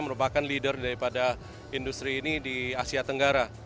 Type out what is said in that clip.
merupakan leader daripada industri ini di asia tenggara